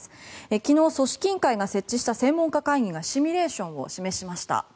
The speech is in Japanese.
昨日、組織委員会が設置した専門家会議がシミュレーションを示しました。